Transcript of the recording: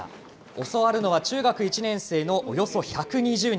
教わるのは中学１年生のおよそ１２０人。